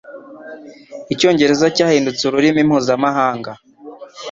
Icyongereza cyahindutse ururimi mpuzamahanga.